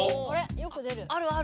よく出る。